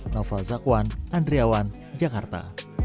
noval zakwan andriawan jakarta